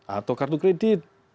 atau kartu kredit